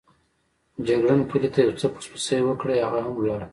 جګړن پلي ته یو څه پسپسې وکړې، هغه هم ولاړ.